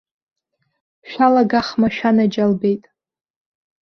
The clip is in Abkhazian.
Шәалагахма шәанаџьалбеит!